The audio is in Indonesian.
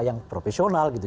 yang profesional gitu